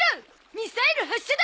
ミサイル発射だ！